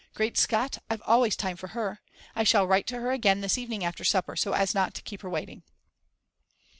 Great Scott, I've always time for her. I shall write to her again this evening after supper, so as not to keep her waiting.